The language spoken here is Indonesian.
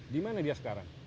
di mana dia sekarang